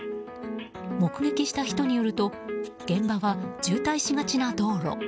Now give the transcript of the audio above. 目撃した人によると現場は渋滞しがちな道路。